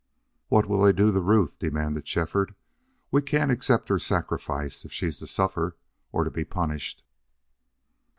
"What'll they do to Ruth?" demanded Shefford. "We can't accept her sacrifice if she's to suffer or be punished."